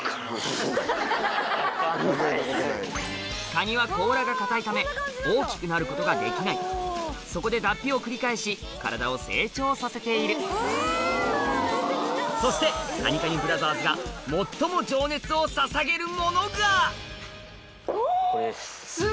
カニは甲羅が硬いため大きくなることができないそこで脱皮を繰り返し体を成長させているそしてカニカニブラザーズが最もこれです。